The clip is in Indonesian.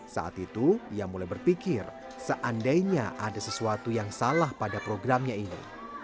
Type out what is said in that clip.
saat itu ia mulai berpikir seandainya ada sesuatu yang salah pada programnya ini